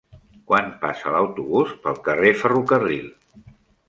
Quan passa l'autobús pel carrer Ferrocarril?